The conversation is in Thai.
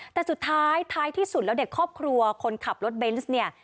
แต่สุดท้ายท้ายที่สุดแล้วเด็กครอบครัวคนขับรถเบนส์เนี่ย